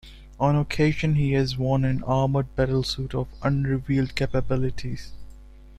On occasion, he has worn an armored battlesuit of unrevealed capabilities.